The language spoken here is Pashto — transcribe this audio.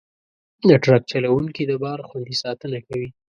د ټرک چلوونکي د بار خوندي ساتنه کوي.